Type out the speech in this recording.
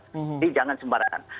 jadi jangan sembarangan